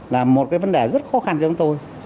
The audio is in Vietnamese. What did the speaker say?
là một cái vấn đề rất khó khăn cho chúng tôi